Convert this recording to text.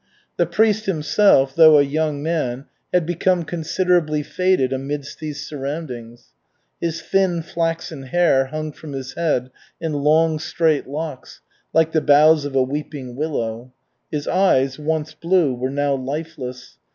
The priest himself, though a young man, had become considerably faded amidst these surroundings. His thin flaxen hair hung from his head in long, straight locks, like the boughs of a weeping willow. His eyes, once blue, were now lifeless.